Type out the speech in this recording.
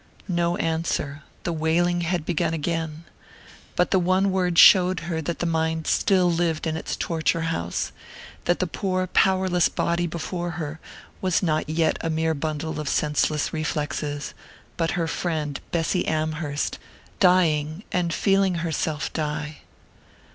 No answer: the wailing had begun again. But the one word showed her that the mind still lived in its torture house, that the poor powerless body before her was not yet a mere bundle of senseless reflexes, but her friend Bessy Amherst, dying, and feeling herself die....